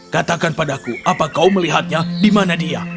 katakan padaku apa kau melihatnya di mana dia